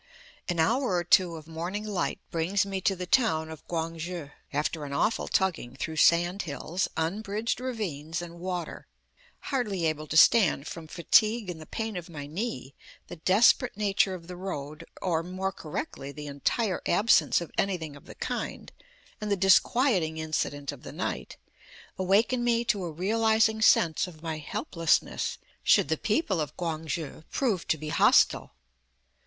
An hour or two of morning light brings me to the town of Quang shi, after an awful tugging through sand hills, unbridged ravines and water. Hardly able to stand from fatigue and the pain of my knee, the desperate nature of the road, or, more correctly, the entire absence of anything of the kind, and the disquieting incident of the night, awaken me to a realizing sense of my helplessness should the people of Quang shi prove to be hostile.